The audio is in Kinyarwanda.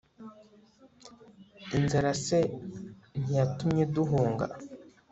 inzara se ntiyatumye duhunga